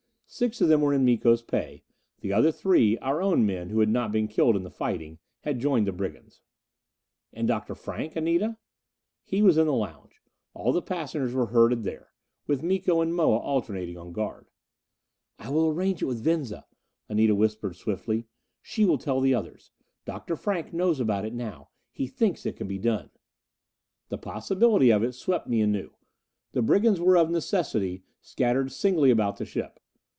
Six of them were in Miko's pay; the other three our own men who had not been killed in the fighting had joined the brigands. "And Dr. Frank, Anita?" He was in the lounge. All the passengers were herded there, with Miko and Moa alternating on guard. "I will arrange it with Venza," Anita whispered swiftly. "She will tell the others. Dr. Frank knows about it now. He thinks it can be done." The possibility of it swept me anew. The brigands were of necessity scattered singly about the ship.